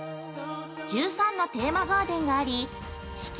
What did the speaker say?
１３のテーマガーデンがあり四季